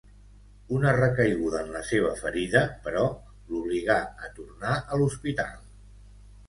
Una recaiguda en la seva ferida, però, l'obligà a tornar a l'hospital.